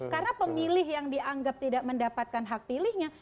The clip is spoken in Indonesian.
karena pemilih yang dianggap tidak mendapatkan hak pilihnya